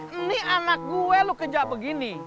ini anak gue lu kerja begini